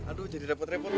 aduh jadi dapet repot tuan